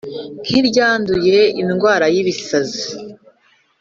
nk iryanduye indwara y ibisazi